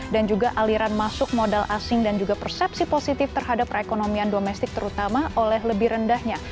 dan juga aliran masuk modal asing dan juga persepsi positif terhadap perekonomian domestik terutama oleh lebih rendahnya